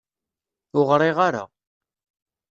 Ur ɣriɣ ara.